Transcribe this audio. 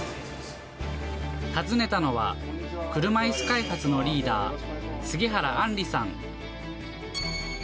訪ねたのは、車いす開発のリーダー、杉原あんりさん。